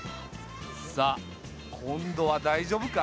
さあ今度は大丈夫か？